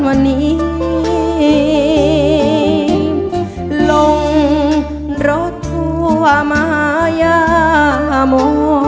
วันนี้ลงรถลวมราศีมายโม